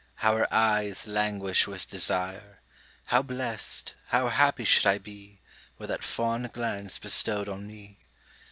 How her eyes languish with desire! How blest, how happy should I be, Were that fond glance bestow'd on me!